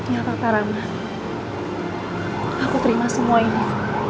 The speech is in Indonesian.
ya pak rama aku terima semua ini